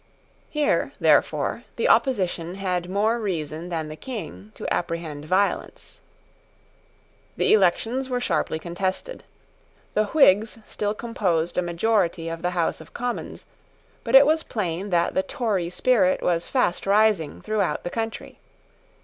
Here, therefore, the opposition had more reason than the King to apprehend violence. The elections were sharply contested. The Whigs still composed a majority of the House of Commons: but it was plain that the Tory spirit was fast rising throughout the country.